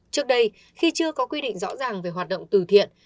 trước đây khi chưa có quy định rõ ràng về hoạt động từ thiện